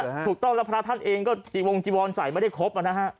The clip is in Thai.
นี่หะถูกต้อนแล้วพระท่านเองก็จีบวงจิวรใส่มาได้ครบแล้วนะฮะ